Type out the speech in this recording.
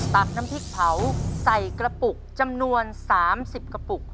ตักน้ำพริกเผาใส่กระปุกจำนวน๓๐กระปุก